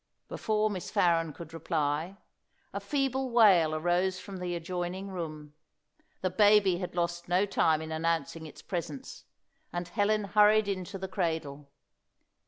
Before Miss Farren could reply, a feeble wail arose from the adjoining room. The baby had lost no time in announcing its presence, and Helen hurried in to the cradle.